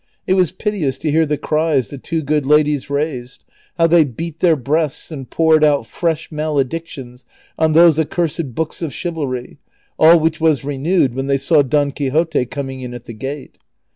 It was piteous to hear the cries the two good ladies raised, how they beat their breasts and poured out fresh maledictions on those accursed books of chiv alry ; all which was renewed when they saw Don Quixote com ing in at the gate.